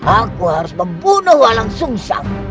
aku harus membunuh walang sungsang